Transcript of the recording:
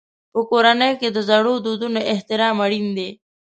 په کورنۍ کې د زړو دودونو احترام اړین دی.